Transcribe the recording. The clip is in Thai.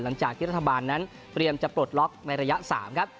หลังจากที่รัฐบาลนั้นเตรียมจะปลดล็อกในระยะ๓ครับ